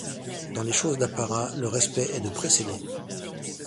Dans les choses d’apparat, le respect est de précéder.